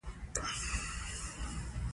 ده وویل خامخا به دا خط راته ښکاره کوې.